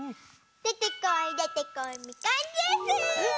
でてこいでてこいみかんジュース！